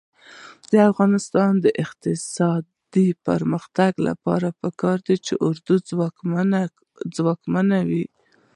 د افغانستان د اقتصادي پرمختګ لپاره پکار ده چې اردو ځواکمنه وي.